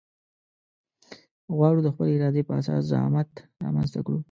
غواړو د خپلې ارادې په اساس زعامت رامنځته کړو.